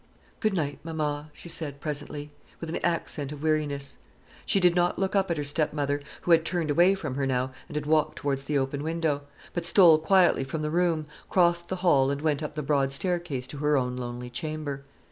"Good night, mamma," she said presently, with an accent of weariness. She did not look at her stepmother (who had turned away from her now, and had walked towards the open window), but stole quietly from the room, crossed the hall, and went up the broad staircase to her own lonely chamber.